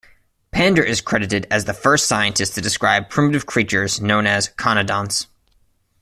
Pander is credited as the first scientist to describe primitive creatures known as conodonts.